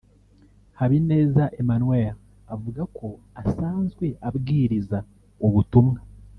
Habineza Emmanuel avuga ko asanzwe abwiriza ubutumwa